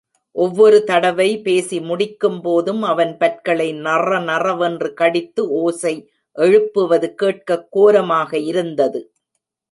ஒவ்வொரு தடவை பேசி முடிக்கும் போதும் அவன் பற்களை நறநறவென்று கடித்து ஓசை எழுப்புவது கேட்கக் கோரமாக இருந்தது.